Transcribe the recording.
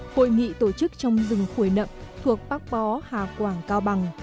hội nghị tổ chức trồng rừng khối nậm thuộc bắc bó hà quảng cao bằng